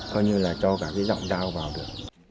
coi như là cho cả cái rộng rào vào được